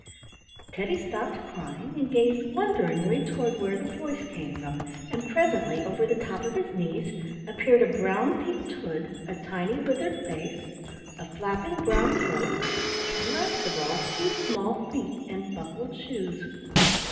Teddy stopped crying and gazed wonderingly toward where the voice came from, and presently over the top of his knees appeared a brown peaked hood, a tiny withered face, a flapping brown cloak, and last of all two small feet in buckled shoes.